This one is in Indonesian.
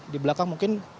di belakang mungkin